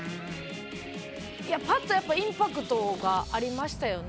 いやパッとやっぱインパクトがありましたよね。